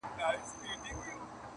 هغه مین دی پر لمبو شمع په خوب کي ویني -